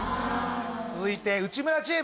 続いて内村チーム。